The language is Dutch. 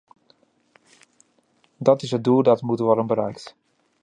Dat is het doel dat moet worden bereikt.